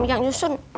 kita jalan ulang